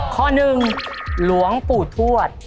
ข้อหนึ่งหลวงปู่ทวด